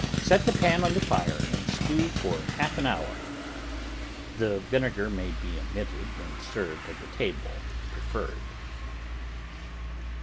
Set the pan on the fire and stew for half an hour. ROOT VEGETABLES The vinegar may be omitted and served at the table if preferred.